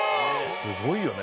すごいよね。